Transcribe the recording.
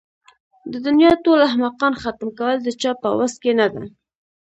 د دنيا ټول احمقان ختم کول د چا په وس کې نه ده.